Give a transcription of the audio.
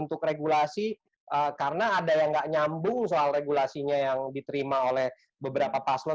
untuk regulasi karena ada yang nggak nyambung soal regulasinya yang diterima oleh beberapa paslon